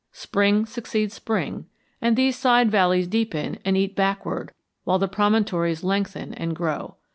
Spring succeeds spring, and these side valleys deepen and eat backward while the promontories lengthen and grow.